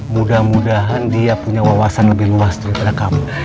mudah mudahan dia punya wawasan lebih luas daripada kamu